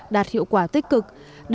đạt hiệu quả tích cực